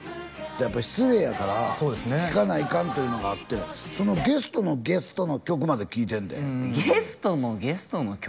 やっぱ失礼やからそうですね聴かないかんというのがあってそのゲストのゲストの曲まで聴いてんでゲストのゲストの曲？